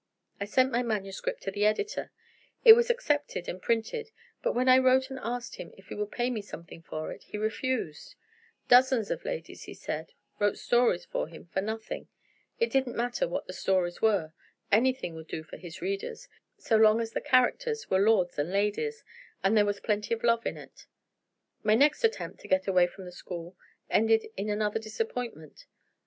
I sent my manuscript to the editor. It was accepted and printed but when I wrote and asked him if he would pay me something for it, he refused. Dozens of ladies, he said, wrote stories for him for nothing. It didn't matter what the stories were. Anything would do for his readers, so long as the characters were lords and ladies, and there was plenty of love in it. My next attempt to get away from the school ended in another disappointment.